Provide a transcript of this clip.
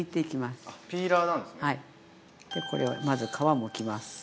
でこれをまず皮をむきます。